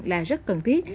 là rất cần thiết